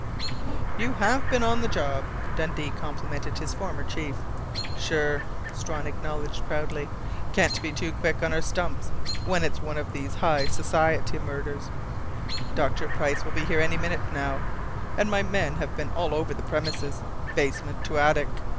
"You have been on the job," Dundee complimented his former chief. "Sure!" Strawn acknowledged proudly. "Can't be too quick on our stumps when it's one of these 'high sassiety' murders. Dr. Price will be here any minute now, and my men have been all over the premises, basement to attic.